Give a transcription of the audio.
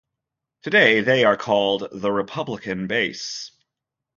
Today they are called the Republican base.